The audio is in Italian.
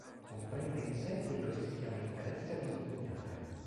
Comprende in sé quello che si chiama interesse ad impugnare.